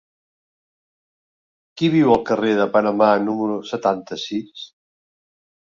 Qui viu al carrer de Panamà número setanta-sis?